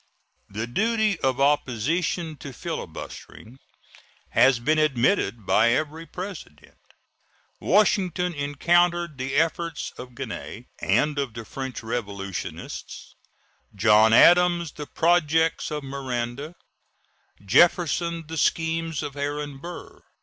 The duty of opposition to filibustering has been admitted by every President. Washington encountered the efforts of Genèt and of the French revolutionists; John Adams, the projects of Miranda; Jefferson, the schemes of Aaron Burr.